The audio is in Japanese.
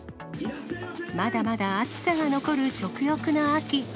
まだまだ暑さが残る食欲の秋。